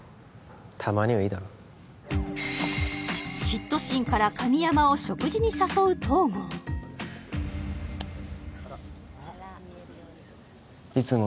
たまにはいいだろ嫉妬心から神山を食事に誘う東郷いつも